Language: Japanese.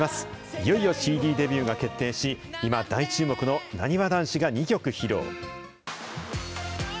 いよいよＣＤデビューが決定し、今、大注目のなにわ男子が２曲披露。